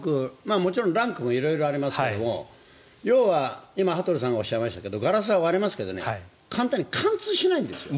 もちろんランクも色々ありますが要は今、羽鳥さんがおっしゃいましたがガラスは割れますが簡単に貫通しないんですよ。